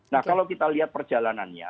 nah kalau kita lihat perjalanannya